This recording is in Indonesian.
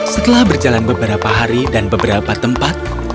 setelah berjalan beberapa hari dan beberapa tempat